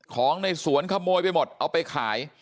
ของในสวนขโมยไปหมดเอาไปขาย